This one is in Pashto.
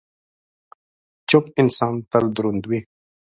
چپ انسان، تل دروند وي.